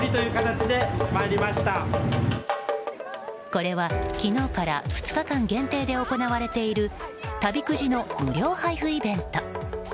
これは昨日から２日間限定で行われている旅くじの無料配布イベント。